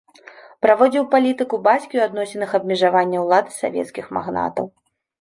Праводзіў палітыку бацькі ў адносінах абмежавання ўлады свецкіх магнатаў.